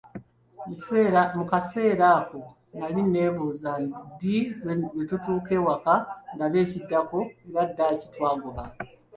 Mu kaseera ako nali neebuuza ddi lwe tutuuka ewaka ndabe ekiddako, era ddaaki twagoba.